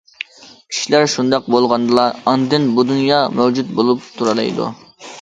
كىشىلەر شۇنداق بولغاندىلا، ئاندىن بۇ دۇنيا مەۋجۇت بولۇپ تۇرالايدۇ.